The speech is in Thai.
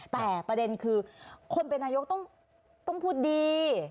แต่ประเด็นคือคนเป็นนายกต้องพูดดี